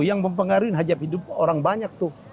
yang mempengaruhi hajab hidup orang banyak tuh